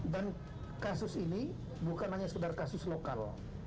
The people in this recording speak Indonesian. dan kasus ini bukan hanya sekedar kasus lokal